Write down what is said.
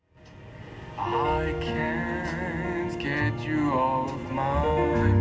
และเพลงที่๑๐ทรงโปรด